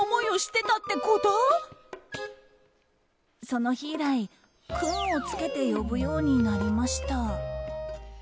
その日以来、君を付けて呼ぶようになりました。